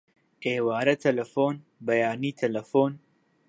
ئێوارە تەلەفۆن، بەیانی تەلەفۆن